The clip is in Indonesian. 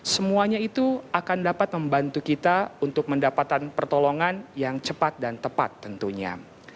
semuanya itu akan dapat membantu kita untuk mendapatkan pertolongan yang cepat dan tepat tentunya